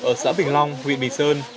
ở xã bình long huyện bình sơn